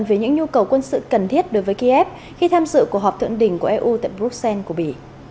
về những nhu cầu quân sự cần thiết đối với kiev khi tham dự cuộc họp thượng đỉnh của eu tại bruxelles của bỉ